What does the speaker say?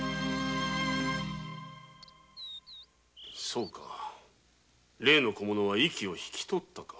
そうか例の小者は息をひきとったか。